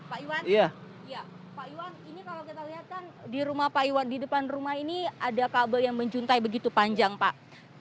pak iwan ini kalau kita lihat kan di rumah pak iwan di depan rumah ini ada kabel yang menjuntai begitu panjang pak